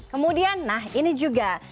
kemudian nah ini juga